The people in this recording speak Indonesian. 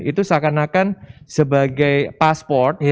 itu seakan akan sebagai pasport